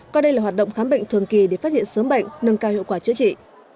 coi đây là hoạt động khám bệnh thường kỳ để phát hiện sớm bệnh nâng cao hiệu quả chữa trị